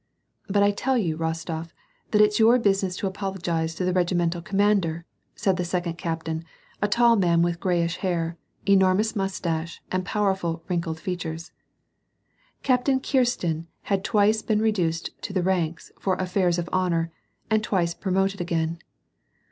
" But I tell you, Eostof , that it's your business to apologize to the regimental commander," said the second captain, a tall man, with grayish hair, enormous mustache, and powerful wrinkled features. Captain Kirsten had twice been reduced to the ranks for " affairs of honor," and twice promoted again.